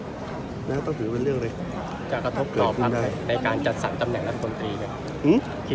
และจะกระทบต่อภักดิ์ในการจัดสรรพักตามแหน่งรัฐผู้อุ่นปี